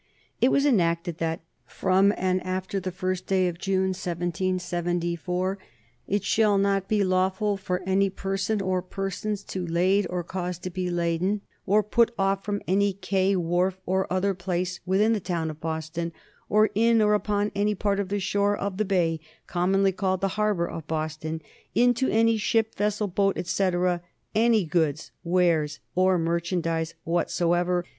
It was enacted that "from and after the first day of June, 1774, it shall not be lawful for any person or persons to lade, or cause to be laden, or put off from any quay, wharf, or other place within the town of Boston, or in or upon any part of the shore of the bay, commonly called the harbor of Boston, into any ship, vessel, boat, etc., any goods, wares, or merchandise whatsoever